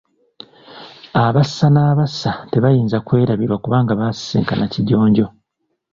Abassa n’abassa tebayinza kwerabirwa kubanga baasisinkana Kijonjo.